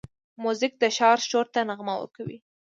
موزیک د ښار شور ته نغمه ورکوي.